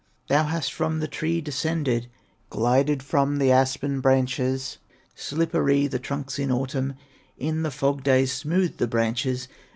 Thou hast from the tree descended, Glided from the aspen branches, Slippery the trunks in autumn, In the fog days, smooth the branches.